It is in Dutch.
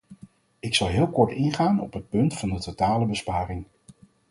Ik zal heel kort ingaan op het punt van de totale besparing.